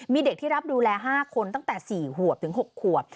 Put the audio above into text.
มีเด็กที่รับดูแล๕คนตั้งแต่๔ขวบถึง๖ขวบ